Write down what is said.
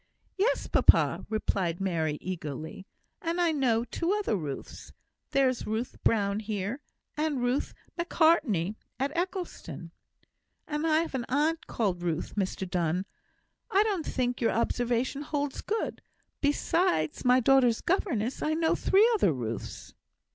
"Yes, papa," replied Mary, eagerly; "and I know two other Ruths; there's Ruth Brown here, and Ruth Macartney at Eccleston." "And I have an aunt called Ruth, Mr Donne! I don't think your observation holds good. Besides my daughters' governess, I know three other Ruths."